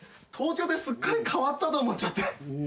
東京ですっかり変わったと思っちゃって。